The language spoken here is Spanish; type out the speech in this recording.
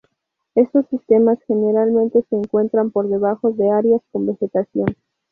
Estos sistemas generalmente se encuentran por debajo de áreas con vegetación.